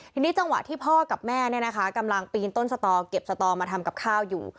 ทีนี้จังหวะที่พ่อกับแม่กำลังปีนต้นสตอเก็บสตอมาทำกับข้าวอยู่